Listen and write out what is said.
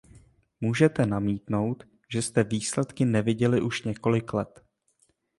Můžete namítnout, že jste výsledky neviděli už několik let.